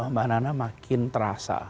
mbak nana makin terasa